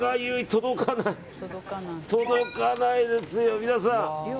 届かないですよ、皆さん。